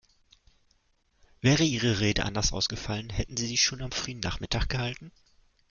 Wäre Ihre Rede anders ausfallen, hätten Sie sie schon am frühen Nachmittag gehalten?